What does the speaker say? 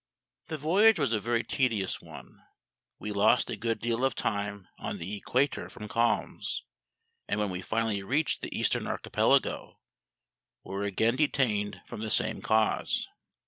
The voyage was a very tedious one. We lost a good deal of time on the equator from calms; and when we finally reached the Eastern Archipelago, were again detained from the same cause.